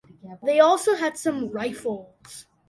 They also had some rifles.